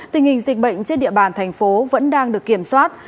tình hình dịch bệnh trên địa bàn thành phố vẫn đang được kiểm soát